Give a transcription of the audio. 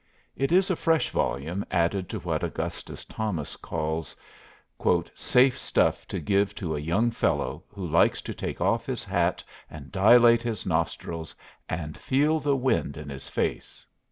It is a fresh volume added to what Augustus Thomas calls "safe stuff to give to a young fellow who likes to take off his hat and dilate his nostrils and feel the wind in his face."